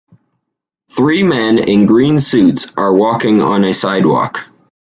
Three men in green suits are walking on a sidewalk.